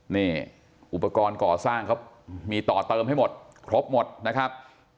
นี่อุปกรณ์ก่อสร้างเขามีต่อเติมให้หมดครบหมดนะครับ